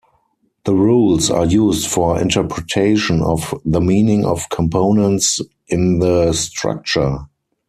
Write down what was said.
The rules are used for interpretation of the meaning of components in the structure.